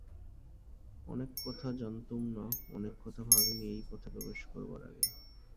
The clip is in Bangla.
অনেক কথা জনাতুম না অনেক কথা ভাবি নি এই পথে প্রবেশ করবার আগে।